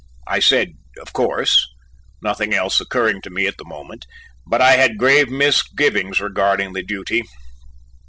I said, "Of course," nothing else occurring to me at the moment, but I had grave misgivings regarding the duty.